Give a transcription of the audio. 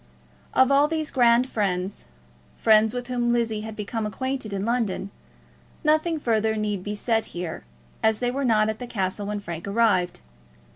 Of all these grand friends, friends with whom Lizzie had become acquainted in London, nothing further need be said here, as they were not at the castle when Frank arrived.